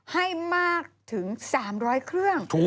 ให้มากถึง๓๐๐เครื่อง